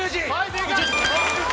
正解。